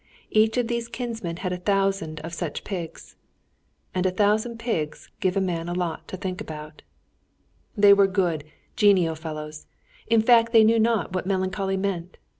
Each of these kinsmen had a thousand of such pigs. [Footnote 65: Hungarian brandy.] And a thousand pigs give a man a lot to think about. They were good, genial fellows. In fact, they knew not what melancholy meant.